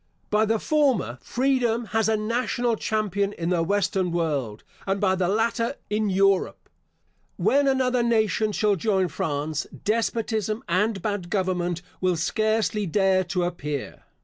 By the former, freedom has a national champion in the western world; and by the latter, in Europe. When another nation shall join France, despotism and bad government will scarcely dare to appear.